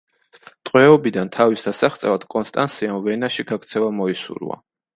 ტყვეობიდან თავის დასაღწევად კონსტანსიამ ვენაში გაქცევა მოისურვა.